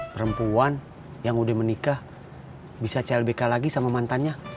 perempuan yang udah menikah bisa clbk lagi sama mantannya